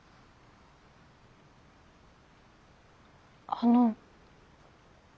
あの。